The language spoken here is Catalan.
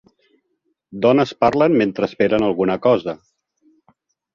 Dones parlen mentre esperen alguna cosa.